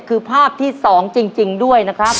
คือภาพที่๒จริงด้วยนะครับ